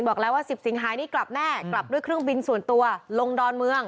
บอกแล้วว่า๑๐สิงหานี้กลับแน่กลับด้วยเครื่องบินส่วนตัวลงดอนเมือง